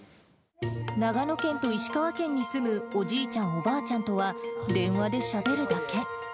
長野県と石川県に住むおじいちゃん、おばあちゃんとは電話でしゃべるだけ。